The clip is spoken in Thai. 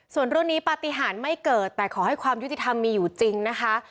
ส่วนเรื่องนี้ปฏิหารไม่เกิดแต่ขอให้ความยุติธรรมมีอยู่จริงนะคะ